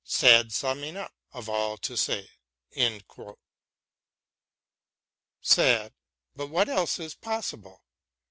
Sad summing up of all to say ! Sad, but what else is possible